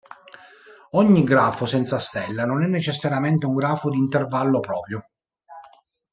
Ogni grafo senza stella non è necessariamente un grafo d'intervallo proprio.